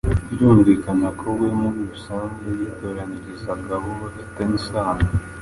Birumvikana ko we muri rusange, yitoranyirizaga abo bafitanye isano